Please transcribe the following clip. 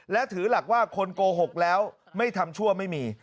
และถือหลักว่าคนโกหกแล้วไม่ทำชั่วไม่มี